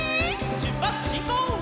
しゅっぱつしんこう！